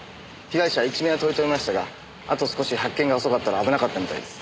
被害者は一命を取り留めましたがあと少し発見が遅かったら危なかったみたいです。